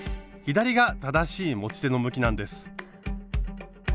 左が正しい持ち手の向きなんです。